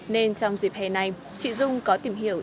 nên trong dịp hè này chị dung có tìm hiểu